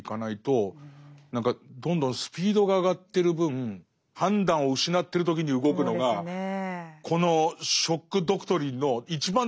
何かどんどんスピードが上がってる分判断を失ってる時に動くのがこの「ショック・ドクトリン」の一番得意とするところならば。